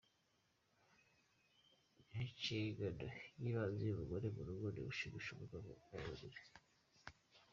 Inshingano yibanze ku mugore mu rugo ni ugushimisha umugabo mu buriri.